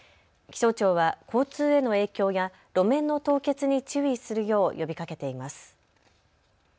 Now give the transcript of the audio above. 気象庁は交通への影響や路面の凍結に注意するよう呼びかけています。